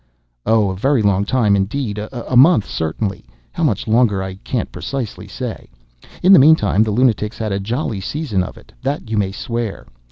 "Oh, a very long time, indeed—a month certainly—how much longer I can't precisely say. In the meantime, the lunatics had a jolly season of it—that you may swear.